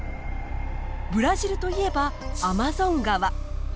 ブラジルといえばアマゾン川。